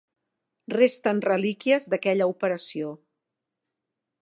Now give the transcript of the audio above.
Resten relíquies d'aquella operació.